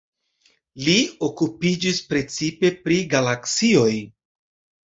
Li okupiĝis precipe pri galaksioj.